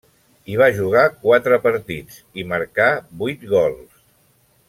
Hi va jugar quatre partits, i marcà vuit gols.